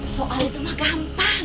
soal itu mah gampang